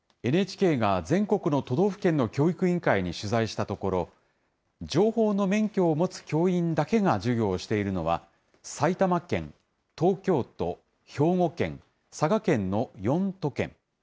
ＮＨＫが全国の都道府県の教育委員会に取材したところ、情報の免許を持つ教員だけが授業をしているのは、埼玉県、東京都、兵庫県、佐賀県の４都県。